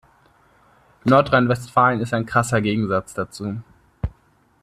Nordrhein-Westfalen ist ein krasser Gegensatz dazu.